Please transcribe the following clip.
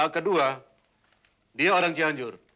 kedua dia orang cianjur